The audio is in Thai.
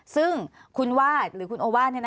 ซึ่งคุณวาดหรือคุณโอวาส